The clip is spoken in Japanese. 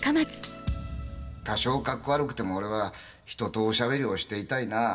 多少かっこ悪くても俺は人とおしゃべりをしていたいな。